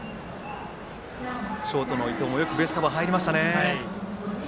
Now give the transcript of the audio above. ショートの伊藤もよくベースカバー入りましたね。